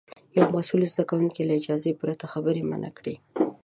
یو مسوول د زده کوونکي له اجازې پرته خبرې منع کړې.